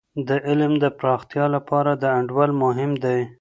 د علم د پراختیا لپاره د انډول مهم دی.